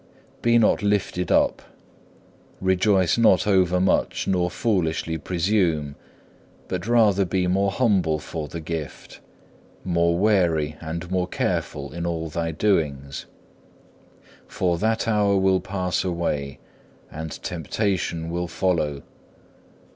Be not lifted up, rejoice not overmuch nor foolishly presume, but rather be more humble for the gift, more wary and more careful in all thy doings; for that hour will pass away, and temptation will follow.